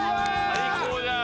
最高じゃん。